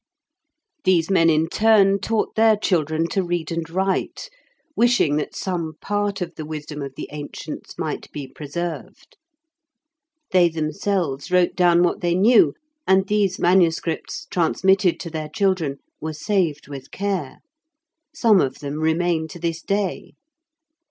These men in turn taught their children to read and write, wishing that some part of the wisdom of the ancients might be preserved. They themselves wrote down what they knew, and these manuscripts, transmitted to their children, were saved with care. Some of them remain to this day.